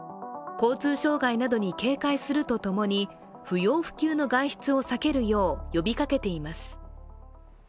交通障害などに警戒するとともに不要不急の外出を避けるよう呼びかけています。